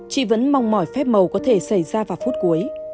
chị vẫn mong mỏi phép màu có thể xảy ra vào phút cuối